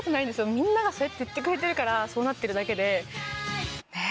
みんながそう言ってくれてるからそうなってるだけで。